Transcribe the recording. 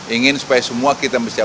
ingin supaya semua kita bisa